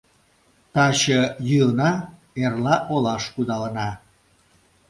— Таче йӱына, эрла олаш кудалына.